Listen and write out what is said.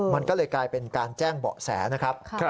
มันก็เลยกลายเป็นการแจ้งเบาะแสนะครับ